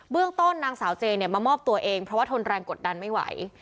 เบื้องต้นนางสาวเจมามอบตัวเองเพราะว่าทนแรงกดดันไม่ไหว